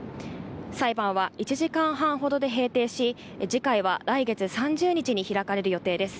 裁判は１時間半ほどで閉廷し、次回は来月３０日に開かれる予定です。